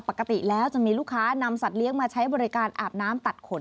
ปกติแล้วจะมีลูกค้านำสัตว์เลี้ยงมาใช้บริการอาบน้ำตัดขน